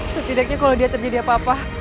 setidaknya kalau dia terjadi apa apa